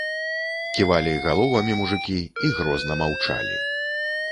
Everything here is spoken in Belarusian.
Ківалі галовамі мужыкі і грозна маўчалі.